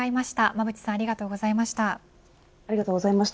馬渕さんありがとうございました。